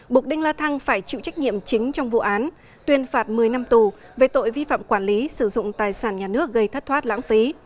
bục đinh la thăng phải chịu trách nhiệm chính trong vụ án tuyên phạt một mươi năm tù về tội vi phạm quản lý sử dụng tài sản nhà nước gây thất thoát lãng phí